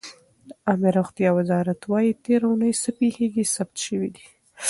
د عامې روغتیا وزارت وایي تېره اوونۍ څه پېښې ثبت شوې دي.